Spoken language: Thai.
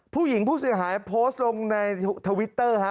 ผู้เสียหายโพสต์ลงในทวิตเตอร์ฮะ